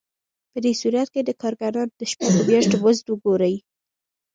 په دې صورت کې د کارګرانو د شپږو میاشتو مزد وګورئ